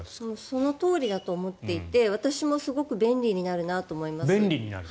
そのとおりだと思っていて私もすごく便利になるなと思います。